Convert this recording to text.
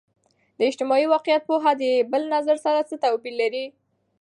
د اجتماعي واقعیت پوهه د بل نظر سره څه توپیر لري؟